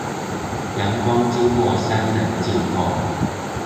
陽光經過三稜鏡後